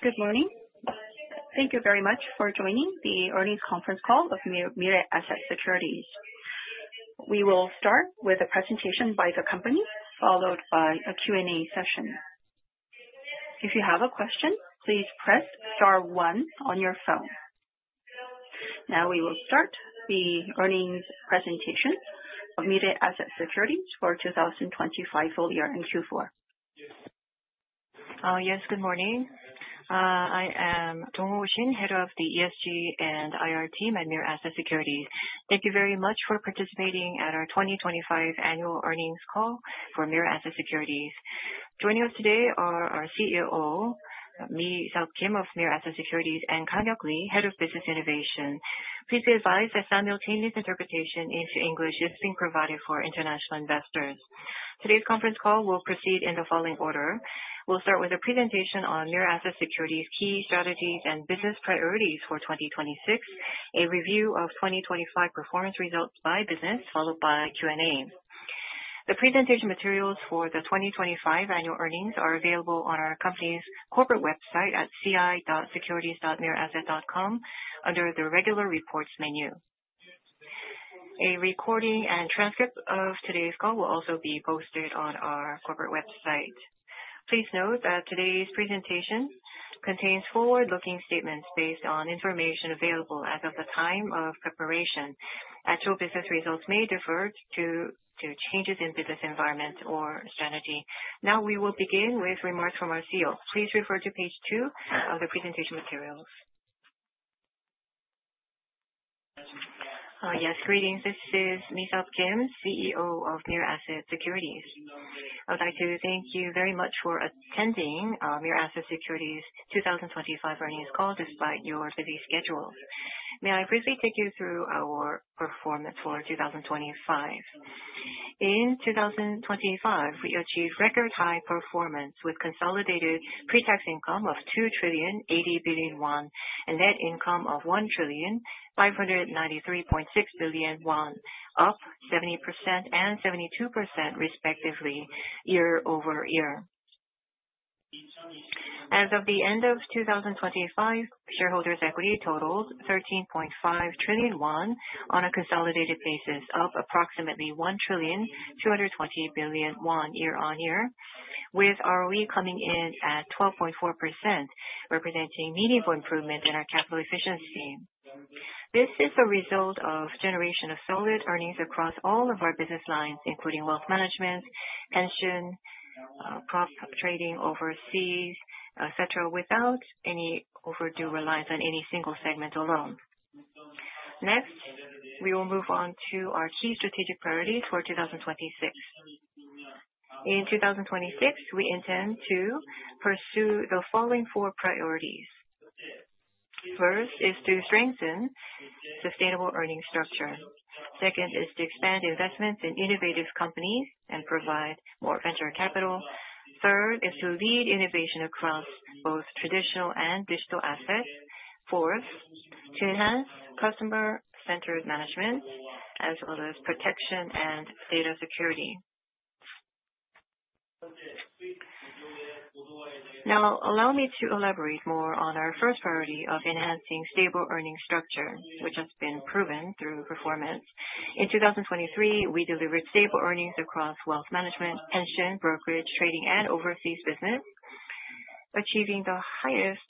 Good morning. Thank you very much for joining the earnings conference call of Mirae Asset Securities. We will start with a presentation by the company, followed by a Q&A session. If you have a question, please press star one on your phone. Now we will start the earnings presentation of Mirae Asset Securities for 2025 full year and Q4. Yes, good morning. I am Dongwoo Shin, Head of the ESG and IR team at Mirae Asset Securities. Thank you very much for participating at our 2025 annual earnings call for Mirae Asset Securities. Joining us today are our CEO, Mihal Kim of Mirae Asset Securities, and Kanghyuk Lee, Head of Business Innovation. Please be advised that simultaneous interpretation into English is being provided for our international investors. Today's conference call will proceed in the following order. We will start with a presentation on Mirae Asset Securities' key strategies and business priorities for 2026, a review of 2025 performance results by business, followed by Q&A. The presentation materials for the 2025 annual earnings are available on our company's corporate website at ci.securities.miraeasset.com under the Regular Reports menu. A recording and transcript of today's call will also be posted on our corporate website. Please note that today's presentation contains forward-looking statements based on information available as of the time of preparation. Actual business results may differ due to changes in business environment or strategy. Now we will begin with remarks from our CEO. Please refer to page two of the presentation materials. Yes, greetings. This is Mihal Kim, CEO of Mirae Asset Securities. I would like to thank you very much for attending Mirae Asset Securities' 2025 earnings call despite your busy schedule. May I briefly take you through our performance for 2025. In 2025, we achieved record high performance with consolidated pre-tax income of 2,080 billion won and net income of 1,593.6 billion won, up 70% and 72% respectively year-over-year. As of the end of 2025, shareholders' equity totaled 13.5 trillion won on a consolidated basis, up approximately 1,220 billion won year-on-year, with ROE coming in at 12.4%, representing meaningful improvement in our capital efficiency. This is a result of generation of solid earnings across all of our business lines, including wealth management, pension, prop trading overseas, et cetera, without any overdue reliance on any single segment alone. Next, we will move on to our key strategic priorities for 2026. In 2026, we intend to pursue the following four priorities. First is to strengthen sustainable earning structure. Second is to expand investments in innovative companies and provide more venture capital. Third is to lead innovation across both traditional and digital assets. Fourth, to enhance customer-centered management as well as protection and data security. Now, allow me to elaborate more on our first priority of enhancing stable earnings structure, which has been proven through performance. In 2023, we delivered stable earnings across wealth management, pension, brokerage, trading, and overseas business, achieving the highest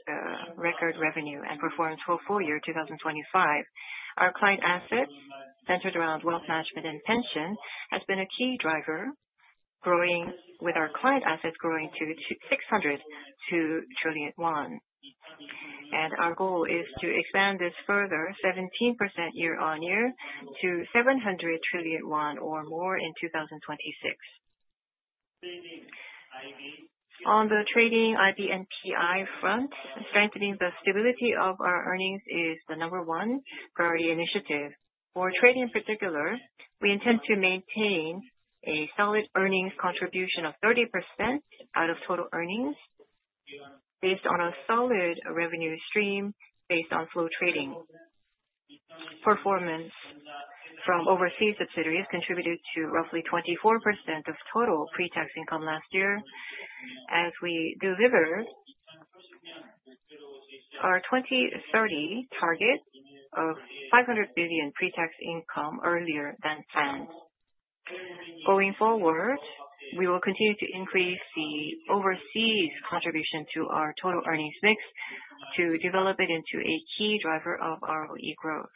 record revenue and performance for full year 2025. Our client assets, centered around wealth management and pension, has been a key driver, with our client assets growing to 600 trillion won, and our goal is to expand this further 17% year-on-year to 700 trillion won or more in 2026. On the trading IB and PI front, strengthening the stability of our earnings is the number one priority initiative. For trading in particular, we intend to maintain a solid earnings contribution of 30% out of total earnings based on a solid revenue stream based on flow trading. Performance from overseas subsidiaries contributed to roughly 24% of total pre-tax income last year as we delivered our 2030 target of 500 billion pre-tax income earlier than planned. Second, we will continue to increase the overseas contribution to our total earnings mix to develop it into a key driver of ROE growth.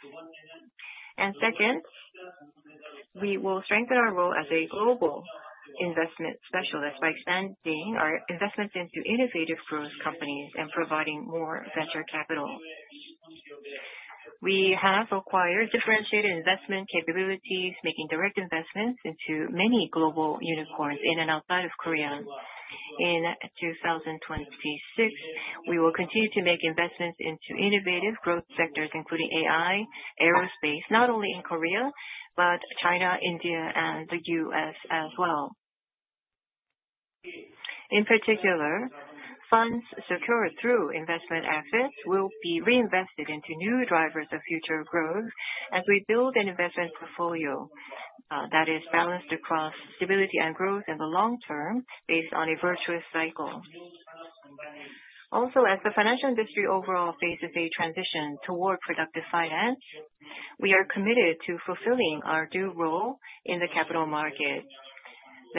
We will strengthen our role as a global investment specialist by extending our investments into innovative growth companies and providing more venture capital. We have acquired differentiated investment capabilities, making direct investments into many global unicorns in and outside of Korea. In 2026, we will continue to make investments into innovative growth sectors, including AI, aerospace, not only in Korea, but China, India, and the U.S. as well. In particular, funds secured through investment assets will be reinvested into new drivers of future growth as we build an investment portfolio that is balanced across stability and growth in the long term based on a virtuous cycle. As the financial industry overall faces a transition toward productive finance, we are committed to fulfilling our due role in the capital market,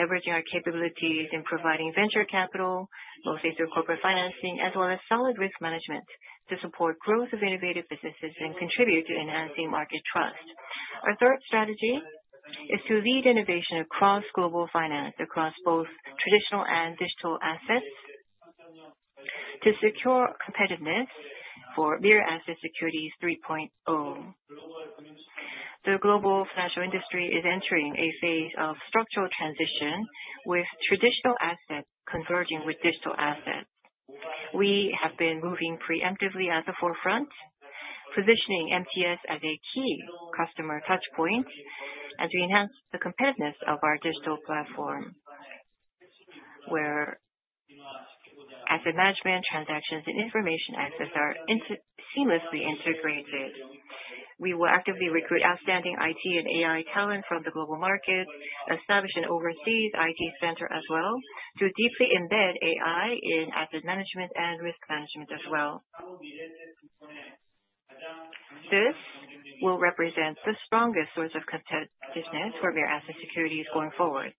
leveraging our capabilities in providing venture capital, both through corporate financing as well as solid risk management to support growth of innovative businesses and contribute to enhancing market trust. Our third strategy is to lead innovation across global finance, across both traditional and digital assets to secure competitiveness for Mirae Asset 3.0. The global financial industry is entering a phase of structural transition with traditional assets converging with digital assets. We have been moving preemptively at the forefront, positioning MTS as a key customer touch point as we enhance the competitiveness of our digital platform, where asset management transactions and information assets are seamlessly integrated. We will actively recruit outstanding IT and AI talent from the global market, establish an overseas IT center as well to deeply embed AI in asset management and risk management as well. This will represent the strongest source of competitiveness for Mirae Asset Securities going forward.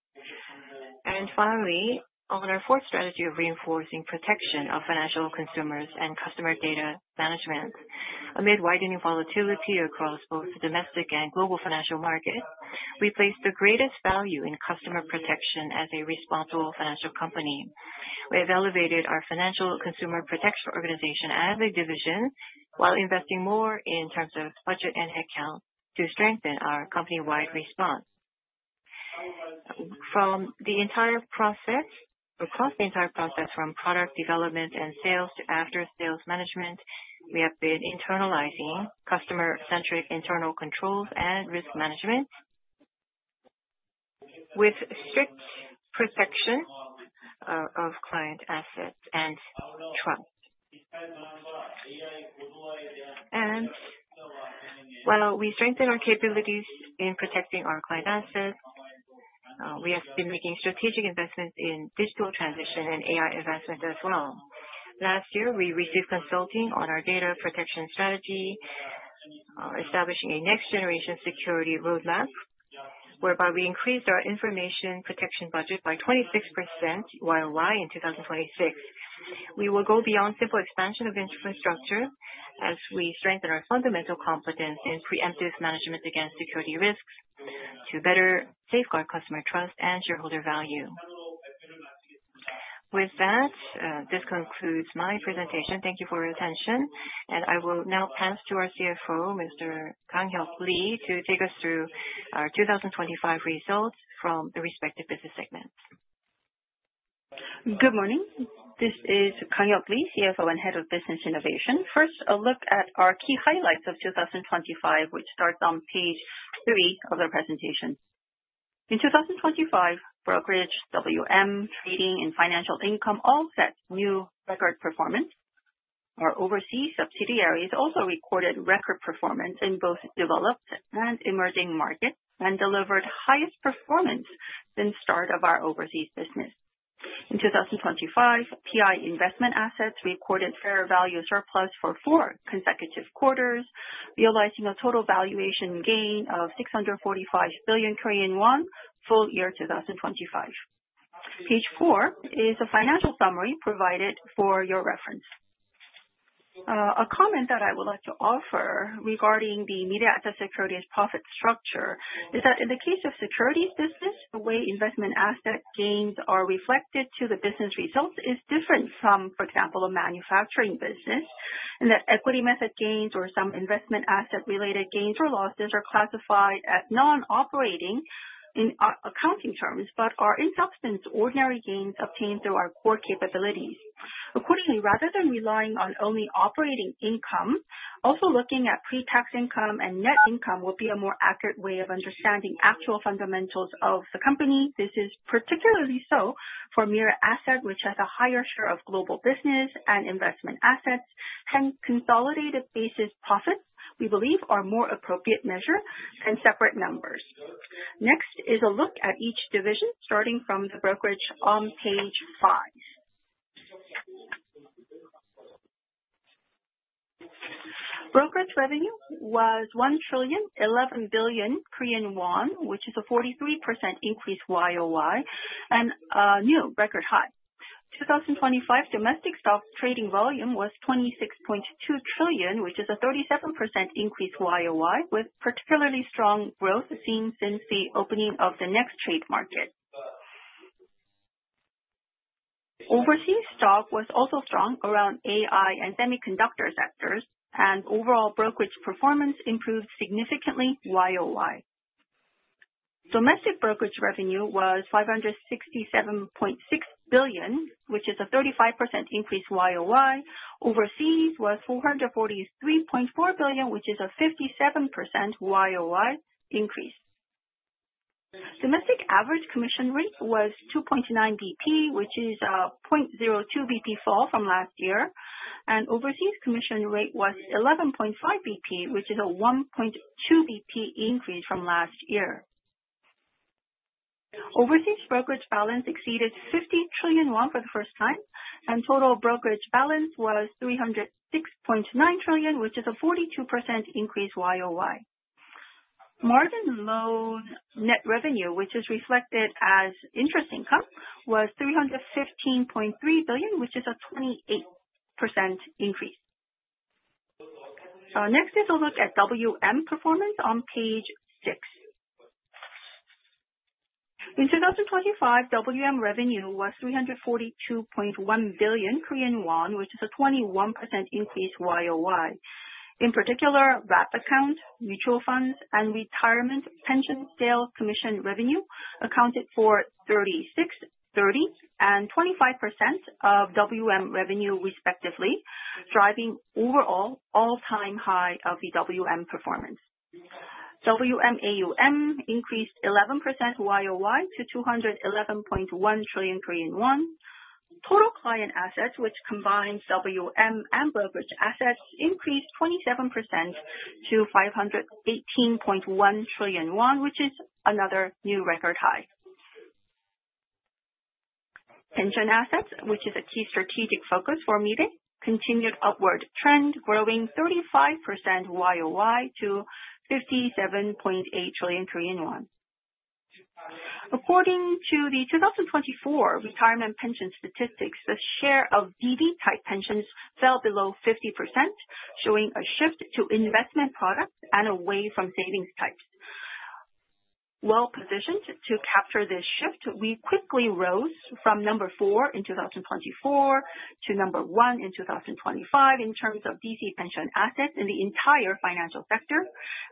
Finally, on our fourth strategy of reinforcing protection of financial consumers and customer data management. Amid widening volatility across both domestic and global financial markets, we place the greatest value in customer protection as a responsible financial company. We have elevated our financial consumer protection organization as a division, while investing more in terms of budget and headcount to strengthen our company-wide response. Across the entire process, from product development and sales to after-sales management, we have been internalizing customer-centric internal controls and risk management with strict protection of client assets and trust. While we strengthen our capabilities in protecting our client assets, we have been making strategic investments in digital transition and AI investment as well. Last year, we received consulting on our data protection strategy, establishing a next generation security roadmap, whereby we increased our information protection budget by 26% YoY in 2026. We will go beyond simple expansion of infrastructure as we strengthen our fundamental competence in preemptive management against security risks to better safeguard customer trust and shareholder value. With that, this concludes my presentation. I will now pass to our CFO, Mr. Kang Hyuk Lee, to take us through our 2025 results from the respective business segments. Good morning. This is Kang Hyuk Lee, CFO and Head of Business Innovation. First, a look at our key highlights of 2025, which starts on page three of the presentation. In 2025, brokerage, WM, trading, and financial income all set new record performance. Our overseas subsidiaries also recorded record performance in both developed and emerging markets and delivered highest performance since start of our overseas business. In 2025, PI investment assets recorded fair value surplus for four consecutive quarters, realizing a total valuation gain of 645 billion Korean won full year 2025. Page four is a financial summary provided for your reference. A comment that I would like to offer regarding the Mirae Asset Securities profit structure is that in the case of securities business, the way investment asset gains are reflected to the business results is different from, for example, a manufacturing business, in that equity method gains or some investment asset related gains or losses are classified as non-operating in accounting terms, but are in substance ordinary gains obtained through our core capabilities. Accordingly, rather than relying on only operating income, also looking at pre-tax income and net income will be a more accurate way of understanding actual fundamentals of the company. This is particularly so for Mirae Asset, which has a higher share of global business and investment assets and consolidated basis profits we believe are a more appropriate measure than separate numbers. Next is a look at each division starting from the brokerage on page five. Brokerage revenue was 1,011 billion Korean won, which is a 43% increase YoY and a new record high. 2025 domestic stock trading volume was 26.2 trillion, which is a 37% increase YoY, with particularly strong growth seen since the opening of the Nextrade market. Overseas stock was also strong around AI and semiconductor sectors, overall brokerage performance improved significantly YoY. Domestic brokerage revenue was 567.6 billion, which is a 35% increase YoY. Overseas was 443.4 billion, which is a 57% YoY increase. Domestic average commission rate was 2.9 BP, which is a 0.02 BP fall from last year. Overseas commission rate was 11.5 BP, which is a 1.2 BP increase from last year. Overseas brokerage balance exceeded 50 trillion won for the first time, total brokerage balance was 306.9 trillion, which is a 42% increase YoY. Margin loan net revenue, which is reflected as interest income, was 315.3 billion, which is a 28% increase. Next is a look at WM performance on page six. In 2025, WM revenue was 342.1 billion Korean won, which is a 21% increase year-over-year. In particular, wrap accounts, mutual funds, and retirement pension sales commission revenue accounted for 36, 30, and 25% of WM revenue respectively, driving overall all-time high of the WM performance. WM AUM increased 11% year-over-year to 211.1 trillion Korean won. Total client assets, which combines WM and brokerage assets, increased 27% to 518.1 trillion won, which is another new record high. Pension assets, which is a key strategic focus for Mirae, continued upward trend growing 35% year-over-year to 57.8 trillion Korean won. According to the 2024 Retirement Pension statistics, the share of DB-type pensions fell below 50%, showing a shift to investment products and away from savings types. Well-positioned to capture this shift, we quickly rose from number four in 2024 to number one in 2025 in terms of DC pension assets in the entire financial sector,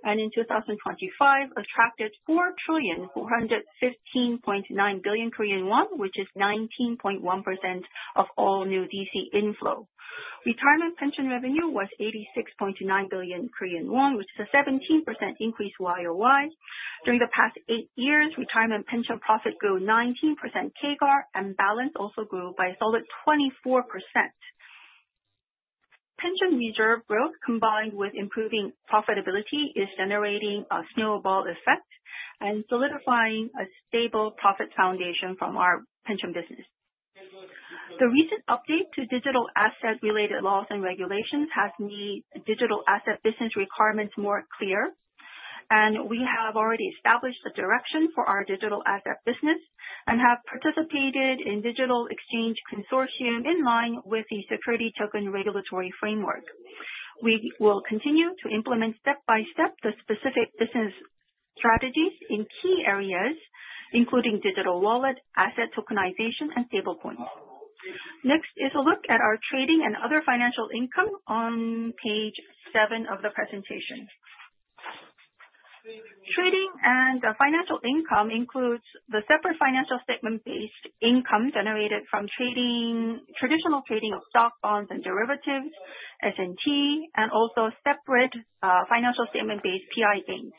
and in 2025 attracted 4,415.9 billion Korean won, which is 19.1% of all new DC inflow. Retirement pension revenue was 86.9 billion Korean won, which is a 17% increase year-over-year. During the past eight years, retirement pension profit grew 19% CAGR, and balance also grew by a solid 24%. Pension reserve growth, combined with improving profitability, is generating a snowball effect and solidifying a stable profit foundation from our pension business. The recent update to digital asset related laws and regulations has made digital asset business requirements more clear, and we have already established a direction for our digital asset business and have participated in Digital Exchange Consortium in line with the security token regulatory framework. We will continue to implement step by step the specific business strategies in key areas, including digital wallet, asset tokenization, and stablecoins. Next is a look at our trading and other financial income on page seven of the presentation. Trading and financial income includes the separate financial statement based income generated from traditional trading of stock, bonds, and derivatives, S&T, and also separate financial statement based PI gains.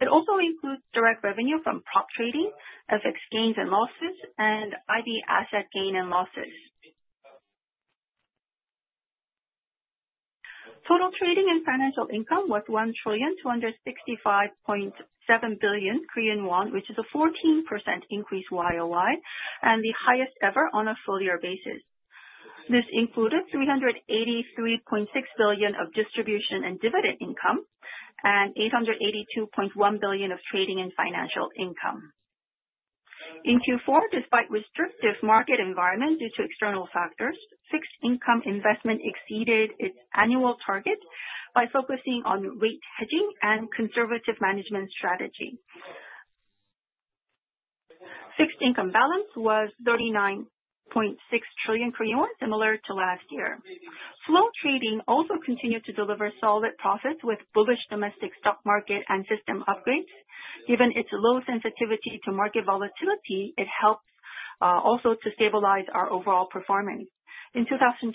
It also includes direct revenue from prop trading, FX gains and losses, and IB asset gain and losses. Total trading and financial income was 1,265.7 billion Korean won, which is a 14% increase year-over-year and the highest ever on a full year basis. This included 383.6 billion of distribution and dividend income and 882.1 billion of trading and financial income. In Q4, despite restrictive market environment due to external factors, fixed income investment exceeded its annual target by focusing on rate hedging and conservative management strategy. Fixed income balance was 39.6 trillion Korean won, similar to last year. Flow trading also continued to deliver solid profits with bullish domestic stock market and system upgrades. Given its low sensitivity to market volatility, it helps also to stabilize our overall performance. In 2026,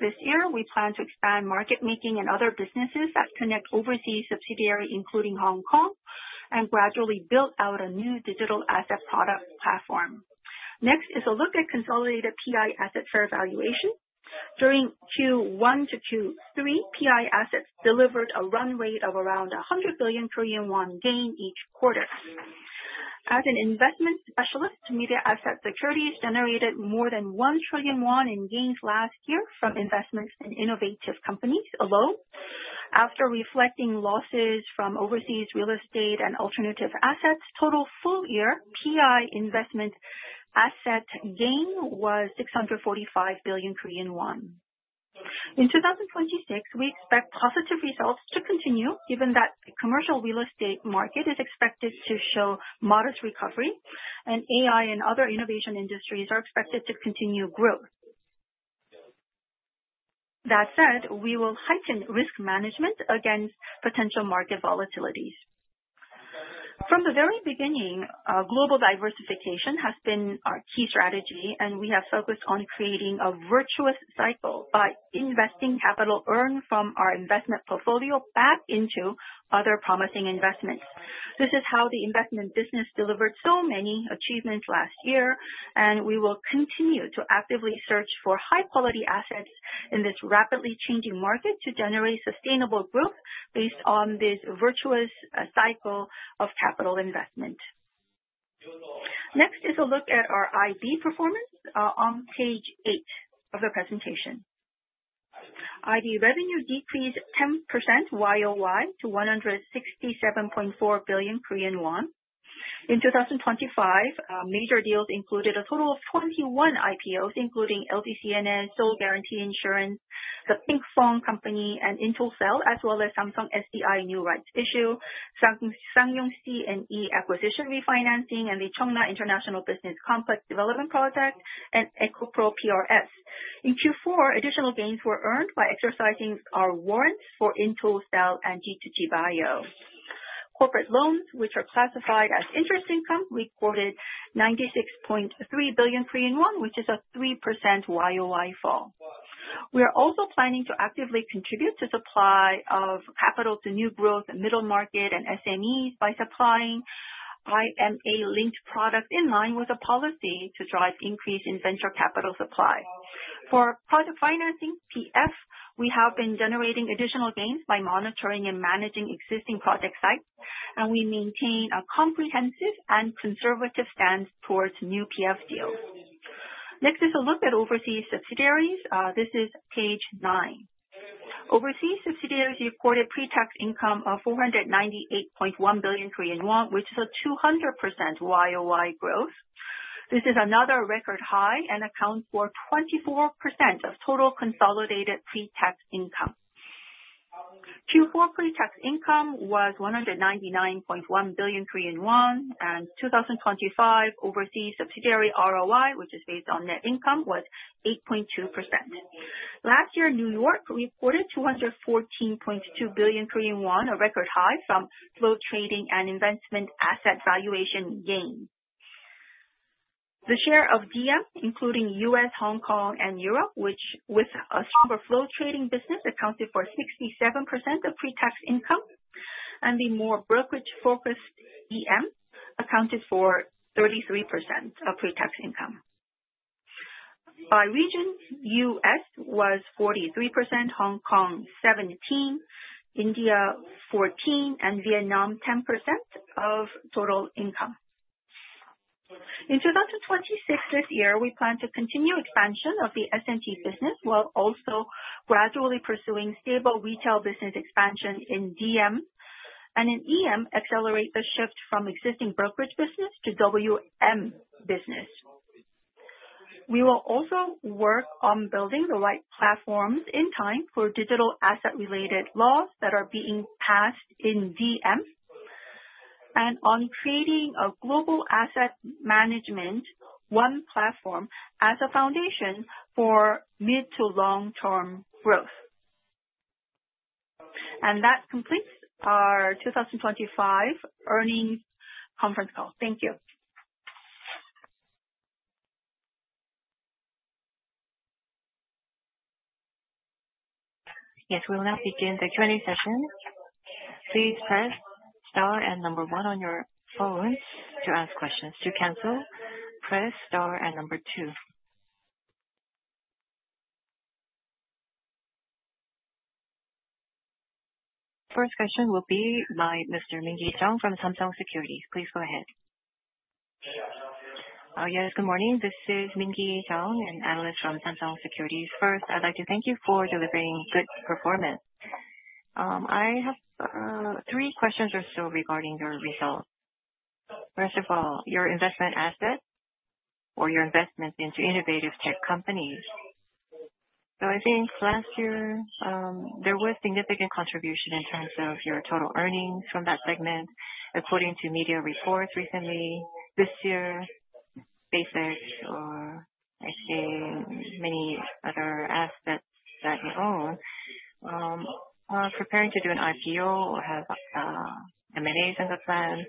this year, we plan to expand market making and other businesses that connect overseas subsidiary, including Hong Kong, and gradually build out a new digital asset product platform. Next is a look at consolidated PI asset fair valuation. During Q1 to Q3, PI assets delivered a run rate of around 100 billion Korean won gain each quarter. As an investment specialist, Mirae Asset Securities generated more than 1 trillion won in gains last year from investments in innovative companies alone. After reflecting losses from overseas real estate and alternative assets, total full year PI investment asset gain was 645 billion Korean won. In 2026, we expect positive results to continue, given that the commercial real estate market is expected to show modest recovery and AI and other innovation industries are expected to continue growth. That said, we will heighten risk management against potential market volatilities. From the very beginning, global diversification has been our key strategy, and we have focused on creating a virtuous cycle by investing capital earned from our investment portfolio back into other promising investments. This is how the investment business delivered so many achievements last year. We will continue to actively search for high-quality assets in this rapidly changing market to generate sustainable growth based on this virtuous cycle of capital investment. Next is a look at our IB performance on page eight of the presentation. IB revenue decreased 10% YOY to 167.4 billion Korean won. In 2025, major deals included a total of 21 IPOs, including LG CNS, Seoul Guarantee Insurance, The Pinkfong Company, and IntelliSell, as well as Samsung SDI new rights issue, Ssangyong C&E acquisition refinancing, and the Cheongna International Business Complex development project, and EcoPro PRS. In Q4, additional gains were earned by exercising our warrants for IntelliSell and G2G Bio. Corporate loans, which are classified as interest income, recorded 96.3 billion Korean won, which is a 3% YOY fall. We are also planning to actively contribute to supply of capital to new growth, middle market, and SMEs by supplying IMA-linked product in line with the policy to drive increase in venture capital supply. For project financing, PF, we have been generating additional gains by monitoring and managing existing project sites. We maintain a comprehensive and conservative stance towards new PF deals. Next is a look at overseas subsidiaries. This is page nine. Overseas subsidiaries reported pre-tax income of 498.1 billion Korean won, which is a 200% YOY growth. This is another record high and accounts for 24% of total consolidated pre-tax income. Q4 pre-tax income was 199.1 billion Korean won, and 2025 overseas subsidiary ROI, which is based on net income, was 8.2%. Last year, N.Y. reported 214.2 billion Korean won, a record high from flow trading and investment asset valuation gain. The share of DM, including U.S., Hong Kong, and Europe, which with a stronger flow trading business accounted for 67% of pre-tax income. The more brokerage-focused EM accounted for 33% of pre-tax income. By region, U.S. was 43%, Hong Kong 17%, India 14%, and Vietnam 10% of total income. In 2026, this year, we plan to continue expansion of the S&T business while also gradually pursuing stable retail business expansion in DM and EM, accelerate the shift from existing brokerage business to WM business. We will also work on building the right platforms in time for digital asset-related laws that are being passed in DM and on creating a global asset management, one platform, as a foundation for mid to long-term growth. That completes our 2025 earnings conference call. Thank you. Yes. We will now begin the Q&A session. Please press star and number one on your phone to ask questions. To cancel, press star and number two. First question will be by Mr. Minki Jeong from Samsung Securities. Please go ahead. Yes. Good morning. This is Minki Jeong, an Analyst from Samsung Securities. First, I'd like to thank you for delivering good performance. I have three questions or so regarding your results. I think last year, there was significant contribution in terms of your total earnings from that segment. According to media reports recently, this year, Basics or I think many other assets that you own, are preparing to do an IPO or have M&A in the plan,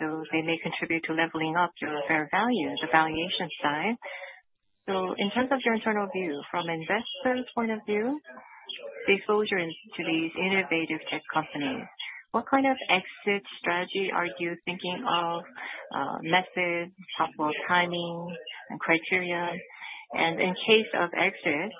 so they may contribute to leveling up your fair value, the valuation side. In terms of your internal view, from investment point of view, the exposure to these innovative tech companies, what kind of exit strategy are you thinking of? Methods, possible timing, and criteria. In case of exit,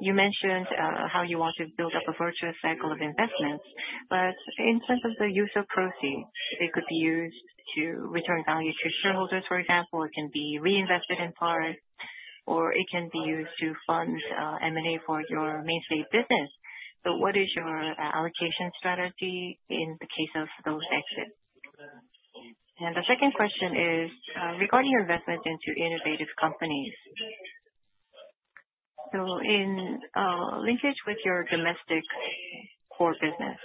you mentioned how you want to build up a virtuous cycle of investments, but in terms of the use of proceeds, it could be used to return value to shareholders, for example, it can be reinvested in part, or it can be used to fund M&A for your mainstay business. What is your allocation strategy in the case of those exits? The second question is, regarding your investment into innovative companies. In linkage with your domestic core business,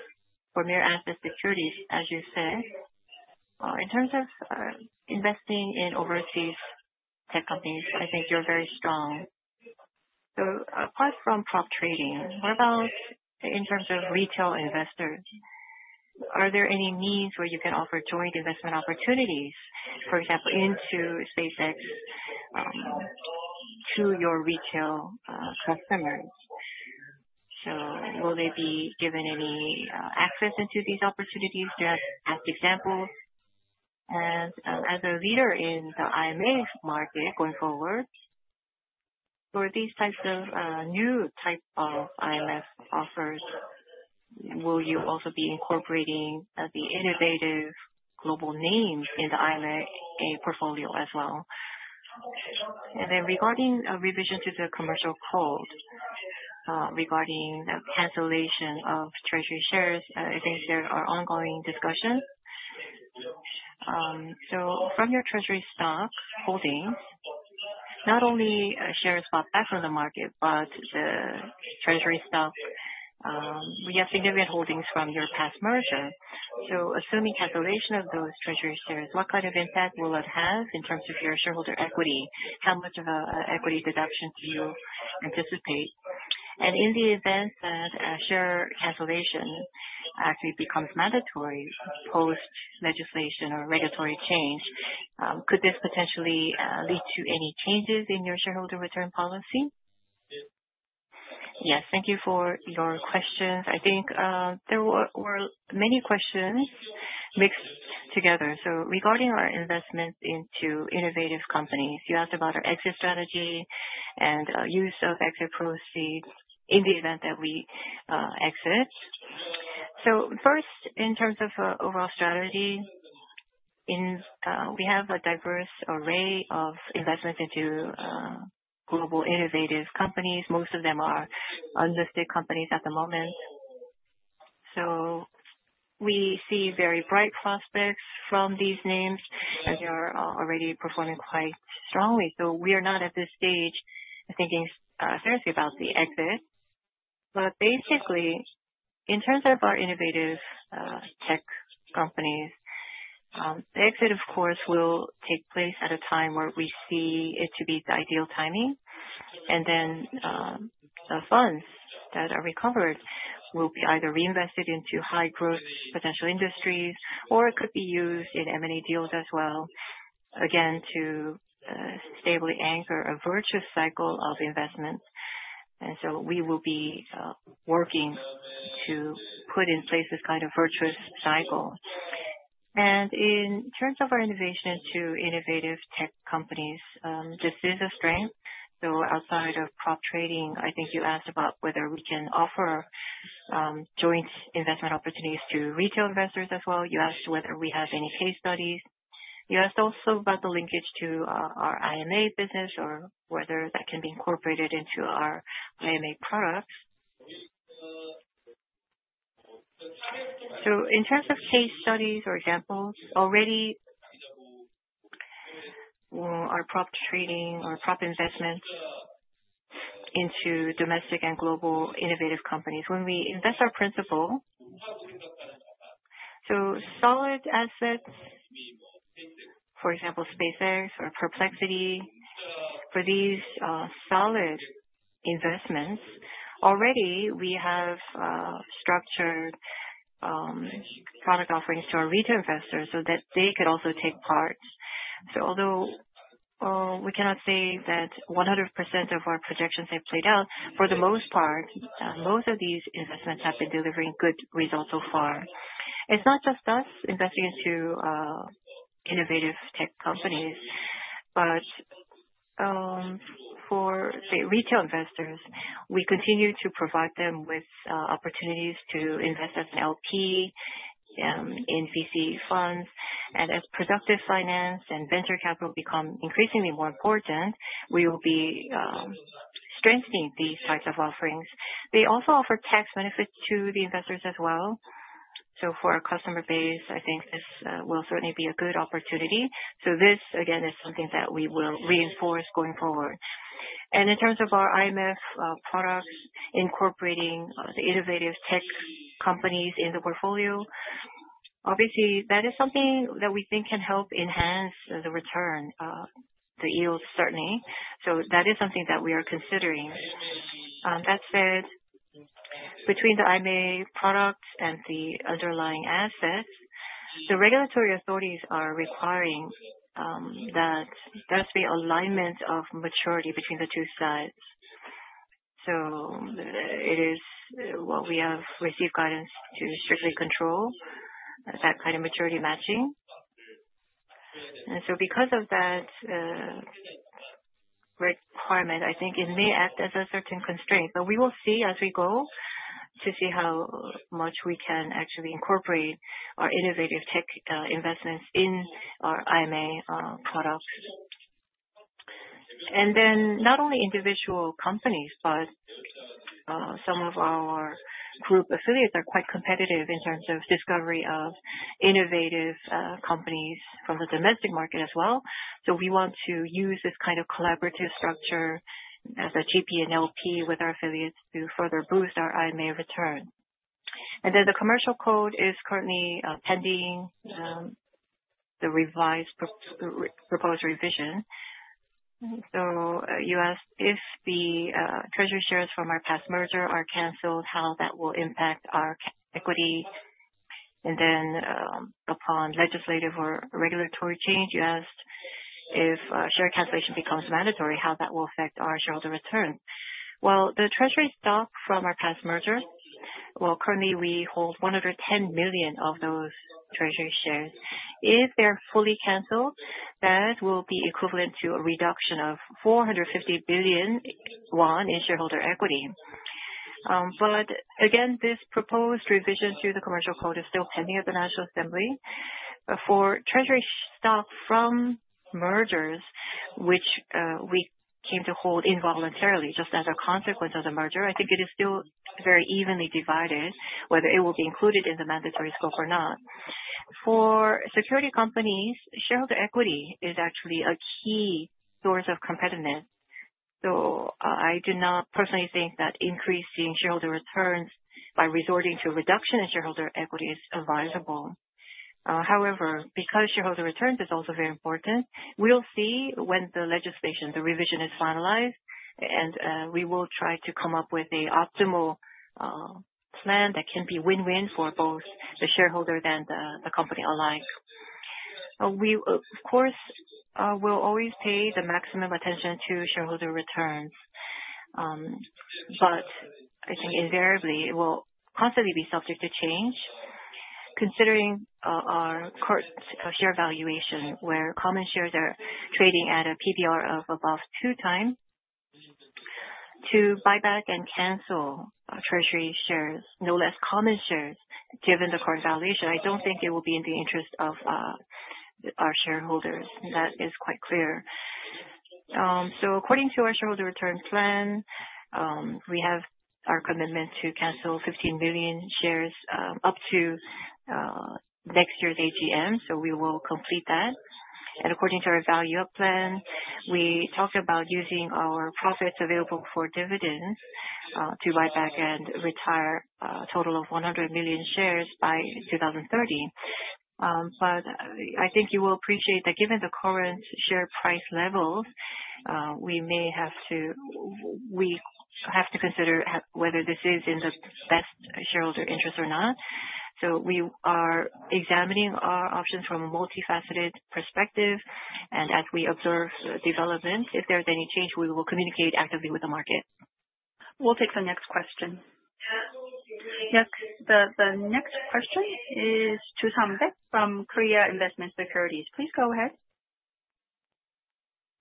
Mirae Asset Securities, as you said, in terms of investing in overseas tech companies, I think you're very strong. Apart from prop trading, what about in terms of retail investors? Are there any needs where you can offer joint investment opportunities, for example, into SpaceX, to your retail customers? Will they be given any access into these opportunities? Just as examples. As a leader in the IMA market going forward, for these types of new type of IMA offers, will you also be incorporating the innovative global names in the IMA portfolio as well? Regarding a revision to the Commercial Code, regarding the cancellation of treasury shares, I think there are ongoing discussions. From your treasury stock holdings, not only shares bought back on the market, but the treasury stock, we have significant holdings from your past merger. Assuming cancellation of those treasury shares, what kind of impact will it have in terms of your shareholder equity? How much of an equity deduction do you anticipate? In the event that a share cancellation actually becomes mandatory post legislation or regulatory change, could this potentially lead to any changes in your shareholder return policy? Yes. Thank you for your questions. I think there were many questions mixed together. Regarding our investments into innovative companies, you asked about our exit strategy and use of exit proceeds in the event that we exit. First, in terms of overall strategy, we have a diverse array of investments into global innovative companies. Most of them are unlisted companies at the moment. We see very bright prospects from these names, and they are already performing quite strongly. We are not at this stage thinking seriously about the exit. Basically, in terms of our innovative tech companies, the exit, of course, will take place at a time where we see it to be the ideal timing, and then the funds that are recovered will be either reinvested into high growth potential industries or it could be used in M&A deals as well, again, to stably anchor a virtuous cycle of investment. So we will be working to put in place this kind of virtuous cycle. In terms of our innovation to innovative tech companies, this is a strength. Outside of prop trading, I think you asked about whether we can offer joint investment opportunities to retail investors as well. You asked whether we have any case studies. You asked also about the linkage to our IMA business or whether that can be incorporated into our IMA products. In terms of case studies or examples, already our prop trading or prop investments into domestic and global innovative companies, when we invest our principal, so solid assets, for example, SpaceX or Perplexity, for these solid investments, already we have structured product offerings to our retail investors so that they could also take part. Although we cannot say that 100% of our projections have played out, for the most part, most of these investments have been delivering good results so far. It's not just us investing into innovative tech companies, but for, say, retail investors, we continue to provide them with opportunities to invest as an LP in VC funds. As productive finance and venture capital become increasingly more important, we will be strengthening these types of offerings. They also offer tax benefits to the investors as well. For our customer base, I think this will certainly be a good opportunity. This, again, is something that we will reinforce going forward. In terms of our IMA products, incorporating the innovative tech companies in the portfolio, obviously, that is something that we think can help enhance the return, the yield, certainly. That is something that we are considering. That said, between the IMA products and the underlying assets, the regulatory authorities are requiring that there's the alignment of maturity between the two sides. It is what we have received guidance to strictly control that kind of maturity matching. So because of that requirement, I think it may act as a certain constraint. We will see as we go to see how much we can actually incorporate our innovative tech investments in our IMA products. Then not only individual companies, but some of our group affiliates are quite competitive in terms of discovery of innovative companies from the domestic market as well. We want to use this kind of collaborative structure as a GP and LP with our affiliates to further boost our IMA return. Then the Commercial Code is currently pending the revised proposed revision. You asked if the treasury shares from our past merger are canceled, how that will impact our equity Then, upon legislative or regulatory change, you asked if share cancellation becomes mandatory, how that will affect our shareholder return. Well, the treasury stock from our past merger, currently we hold 110 million of those treasury shares. If they're fully canceled, that will be equivalent to a reduction of 450 billion won in shareholder equity. Again, this proposed revision to the Commercial Code is still pending at the National Assembly. For treasury stock from mergers, which we came to hold involuntarily just as a consequence of the merger, I think it is still very evenly divided whether it will be included in the mandatory scope or not. For security companies, shareholder equity is actually a key source of competitiveness. I do not personally think that increasing shareholder returns by resorting to reduction in shareholder equity is advisable. However, because shareholder returns is also very important, we'll see when the legislation, the revision, is finalized, and we will try to come up with the optimal plan that can be win-win for both the shareholder and the company alike. Of course, we'll always pay the maximum attention to shareholder returns. I think invariably, it will constantly be subject to change considering our current share valuation, where common shares are trading at a PBR of above two times. To buy back and cancel treasury shares, no less common shares, given the current valuation, I don't think it will be in the interest of our shareholders, and that is quite clear. According to our shareholder return plan, we have our commitment to cancel 15 million shares up to next year's AGM, so we will complete that. According to our value-up plan, we talked about using our profits available for dividends to buy back and retire a total of 100 million shares by 2030. I think you will appreciate that given the current share price levels, we have to consider whether this is in the best shareholder interest or not. We are examining our options from a multifaceted perspective, and as we observe developments, if there's any change, we will communicate actively with the market. We'll take the next question. Yes. The next question is Chu Sam Bek from Korea Investment & Securities. Please go ahead.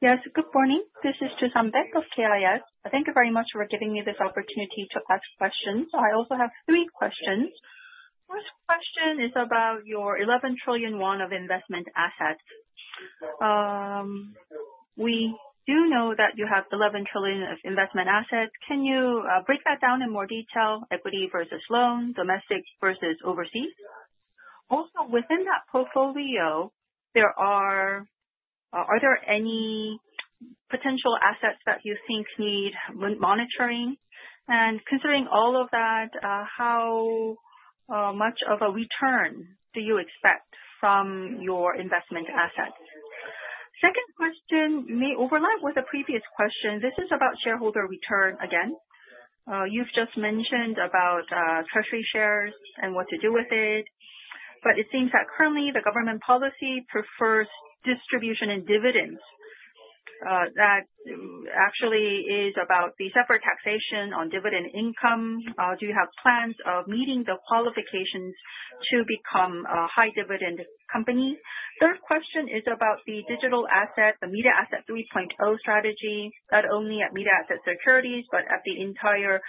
Yes, good morning. This is Chu Sam Bek of KIS. Thank you very much for giving me this opportunity to ask questions. I also have three questions. First question is about your 11 trillion won of investment assets. We do know that you have 11 trillion of investment assets. Can you break that down in more detail, equity versus loan, domestic versus overseas? Also, within that portfolio, are there any potential assets that you think need monitoring? Considering all of that, how much of a return do you expect from your investment assets? Second question may overlap with the previous question. This is about shareholder return again. You've just mentioned about treasury shares and what to do with it, but it seems that currently the government policy prefers distribution and dividends. That actually is about the separate taxation on dividend income. Do you have plans of meeting the qualifications to become a high-dividend company? Third question is about the digital asset, the Mirae Asset 3.0 strategy, not only at Mirae Asset Securities, but at the entire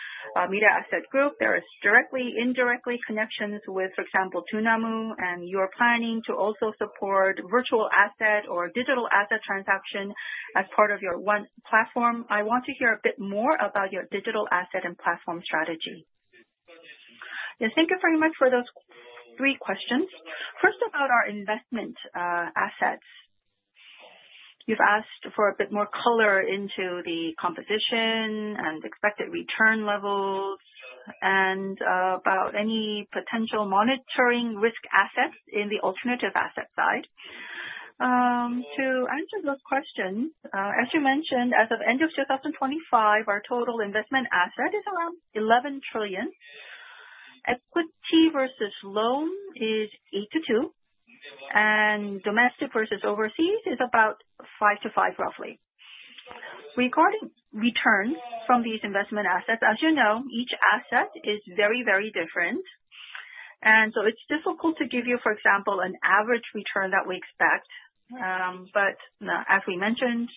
Mirae Asset group. There is directly, indirectly connections with, for example, Dunamu, and you're planning to also support virtual asset or digital asset transaction as part of your one platform. I want to hear a bit more about your digital asset and platform strategy. Yes, thank you very much for those three questions. First, about our investment assets. You've asked for a bit more color into the composition and expected return levels and about any potential monitoring risk assets in the alternative asset side. To answer those questions, as you mentioned, as of end of 2025, our total investment asset is around 11 trillion. Equity versus loan is 8 to 2, and domestic versus overseas is about 5 to 5, roughly. Regarding returns from these investment assets, as you know, each asset is very different. It's difficult to give you, for example, an average return that we expect. But as we mentioned,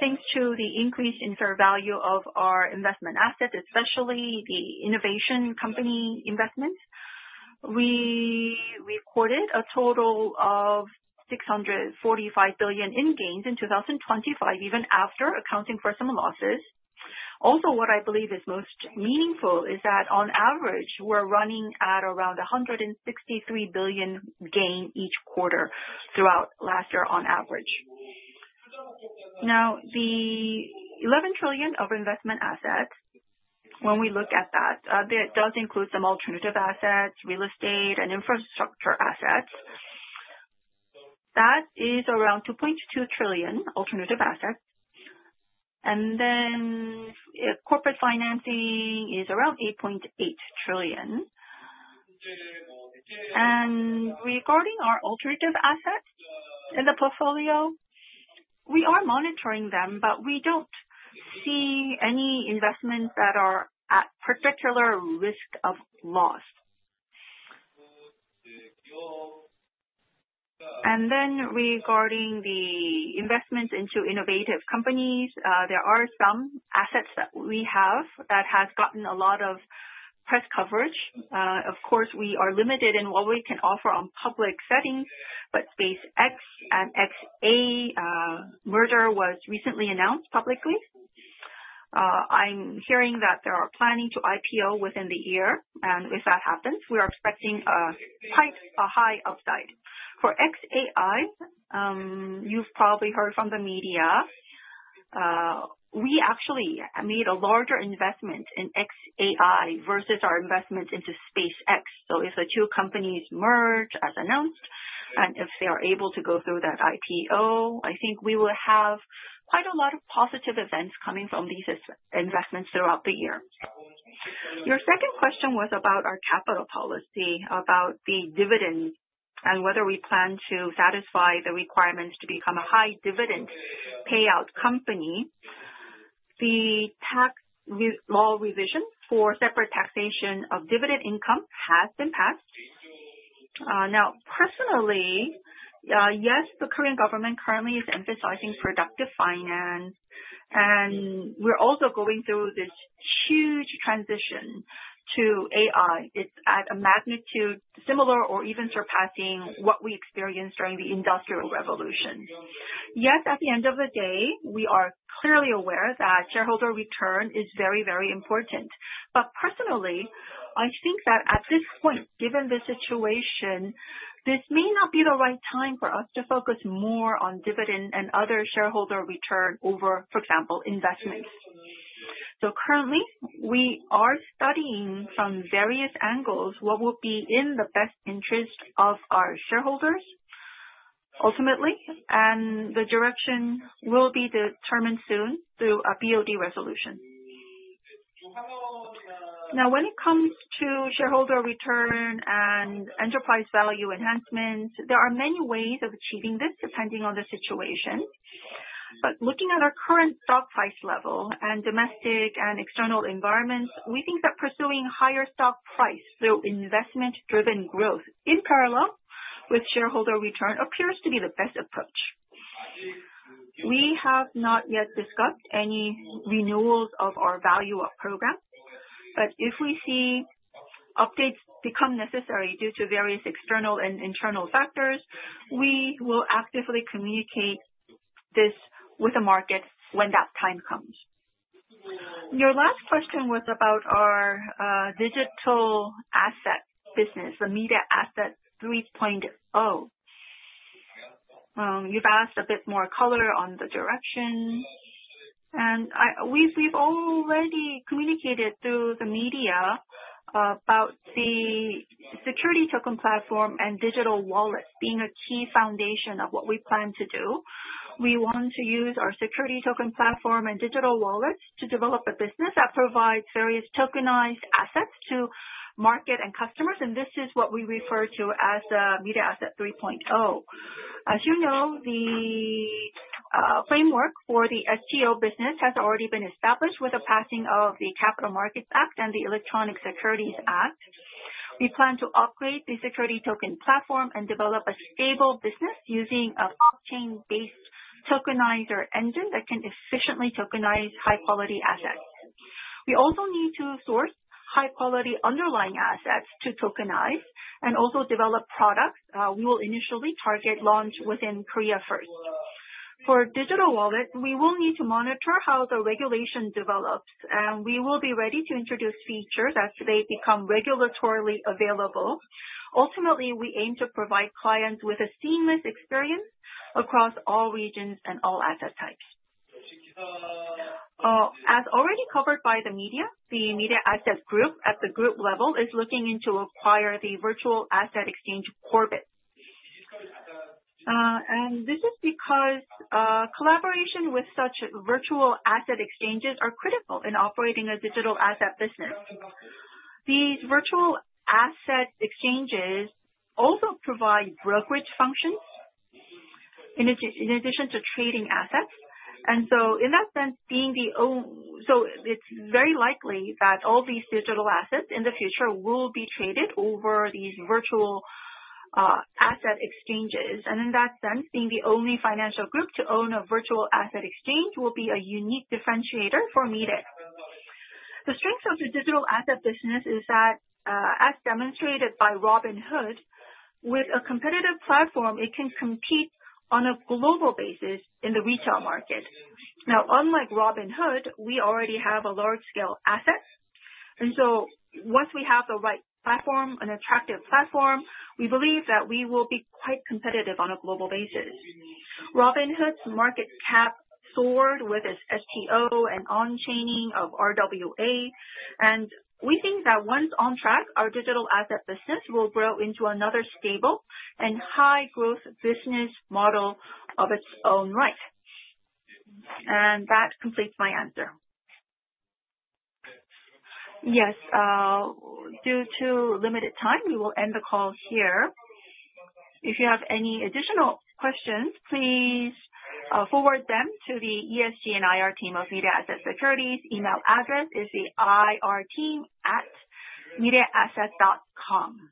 thanks to the increase in fair value of our investment assets, especially the innovation company investment, we recorded a total of 645 billion in gains in 2025, even after accounting for some losses. Also, what I believe is most meaningful is that on average, we're running at around 163 billion gain each quarter throughout last year on average. The 11 trillion of investment assets, when we look at that does include some alternative assets, real estate, and infrastructure assets. That is around 2.2 trillion alternative assets, and corporate financing is around 8.8 trillion. Regarding our alternative assets in the portfolio, we are monitoring them, but we don't see any investments that are at particular risk of loss. Regarding the investment into innovative companies, there are some assets that we have that has gotten a lot of press coverage. Of course, we are limited in what we can offer on public setting, but SpaceX and xAI merger was recently announced publicly. I'm hearing that they are planning to IPO within the year, and if that happens, we are expecting a high upside. For xAI, you've probably heard from the media, we actually made a larger investment in xAI versus our investment into SpaceX. If the two companies merge as announced, and if they are able to go through that IPO, I think we will have quite a lot of positive events coming from these investments throughout the year. Your second question was about our capital policy, about the dividends, and whether we plan to satisfy the requirements to become a high dividend payout company. The tax law revision for separate taxation of dividend income has been passed. Personally, yes, the Korean government currently is emphasizing productive finance, and we're also going through this huge transition to AI. It's at a magnitude similar or even surpassing what we experienced during the Industrial Revolution. At the end of the day, we are clearly aware that shareholder return is very, very important. Personally, I think that at this point, given the situation, this may not be the right time for us to focus more on dividend and other shareholder return over, for example, investments. Currently, we are studying from various angles what will be in the best interest of our shareholders ultimately, and the direction will be determined soon through a BOD resolution. When it comes to shareholder return and enterprise value enhancements, there are many ways of achieving this depending on the situation. Looking at our current stock price level and domestic and external environments, we think that pursuing higher stock price through investment-driven growth in parallel with shareholder return appears to be the best approach. We have not yet discussed any renewals of our value-up program, but if we see updates become necessary due to various external and internal factors, we will actively communicate this with the market when that time comes. Your last question was about our digital asset business, the Mirae Asset 3.0. You've asked a bit more color on the direction, and we've already communicated through the media about the security token platform and digital wallet being a key foundation of what we plan to do. We want to use our security token platform and digital wallet to develop a business that provides various tokenized assets to market and customers, and this is what we refer to as Mirae Asset 3.0. As you know, the framework for the STO business has already been established with the passing of the Capital Markets Act and the Electronic Securities Act. We plan to upgrade the security token platform and develop a stable business using a blockchain-based tokenizer engine that can efficiently tokenize high-quality assets. We also need to source high-quality underlying assets to tokenize and also develop products. We will initially target launch within Korea first. For digital wallet, we will need to monitor how the regulation develops, and we will be ready to introduce features as they become regulatorily available. Ultimately, we aim to provide clients with a seamless experience across all regions and all asset types. As already covered by the media, the Mirae Asset group at the group level is looking into acquire the virtual asset exchange Korbit. This is because collaboration with such virtual asset exchanges are critical in operating a digital asset business. These virtual asset exchanges also provide brokerage functions in addition to trading assets. In that sense, it's very likely that all these digital assets in the future will be traded over these virtual asset exchanges. In that sense, being the only financial group to own a virtual asset exchange will be a unique differentiator for Mirae. The strength of the digital asset business is that, as demonstrated by Robinhood, with a competitive platform, it can compete on a global basis in the retail market. Now, unlike Robinhood, we already have a large scale asset. Once we have the right platform, an attractive platform, we believe that we will be quite competitive on a global basis. Robinhood's market cap soared with its STO and on-chaining of RWA, and we think that once on track, our digital asset business will grow into another stable and high-growth business model of its own right. That completes my answer. Yes, due to limited time, we will end the call here. If you have any additional questions, please forward them to the ESG and IR team of Mirae Asset Securities. Email address is the irteam@miraeasset.com.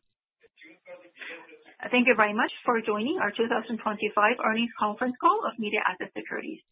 Thank you very much for joining our 2025 earnings conference call of Mirae Asset Securities.